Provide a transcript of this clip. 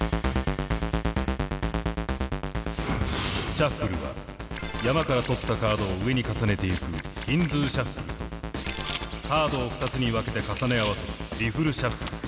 シャッフルは山から取ったカードを上に重ねていくヒンズーシャッフルとカードを２つに分けて重ね合わせるリフルシャッフル。